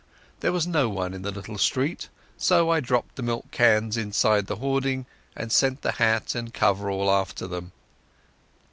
There was no one in the little street, so I dropped the milk cans inside the hoarding and sent the cap and overall after them.